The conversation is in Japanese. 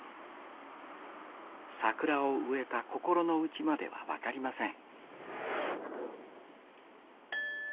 桜を植えた心の内までは分かりません